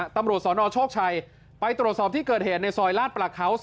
ตำรวจสนโชคชัยไปตรวจสอบที่เกิดเหตุในซอยลาดประเขา๔